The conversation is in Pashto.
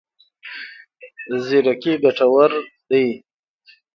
زیرکي ګټور دی.